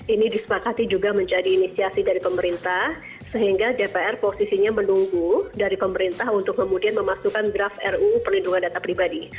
ini disepakati juga menjadi inisiasi dari pemerintah sehingga dpr posisinya menunggu dari pemerintah untuk kemudian memasukkan draft ruu perlindungan data pribadi